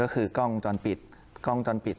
ก็คือกล้องจอลปิด